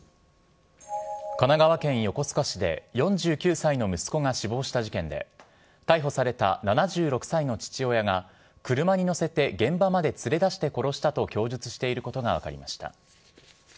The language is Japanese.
神奈川県横須賀市で、４９歳の息子が死亡した事件で、逮捕された７６歳の父親が、車に乗せて現場まで連れ出して殺したと供述していることが分かりました。